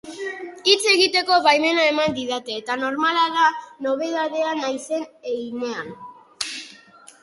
Hitz egiteko baimena eman didate eta normala da nobedadea naizen heinean.